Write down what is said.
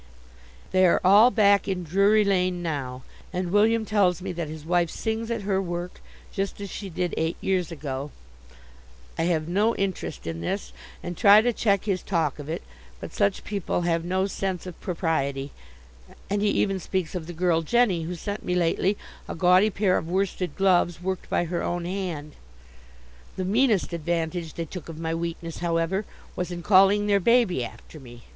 They are all back in Drury Lane now, and William tells me that his wife sings at her work just as she did eight years ago. I have no interest in this, and try to check his talk of it; but such people have no sense of propriety, and he even speaks of the girl Jenny, who sent me lately a gaudy pair of worsted gloves worked by her own hand. The meanest advantage they took of my weakness, however, was in calling their baby after me.